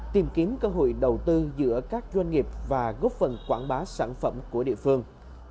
tìm kiếm cơ hội đầu tư giữa các doanh nghiệp và góp phần quảng bá sản phẩm của địa phương